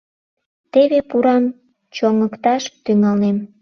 — Теве пурам чоҥыкташ тӱҥалнем.